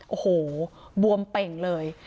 โอ้โหบวมเป่งเลย